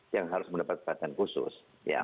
yang harus mendapat perhatian khusus